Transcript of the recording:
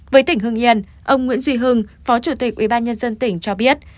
với tỉnh hưng yên ông nguyễn duy hưng phó chủ tịch ubnd tỉnh cho biết